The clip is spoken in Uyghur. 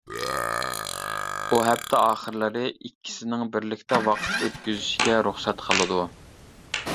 ئۇ ھەپتە ئاخىرلىرى ئىككىسىنىڭ بىرلىكتە ۋاقىت ئۆتكۈزۈشىگە رۇخسەت قىلىدۇ.